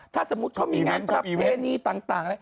ถ้าสมมุติเขามีงานประเภษนี้ต่าง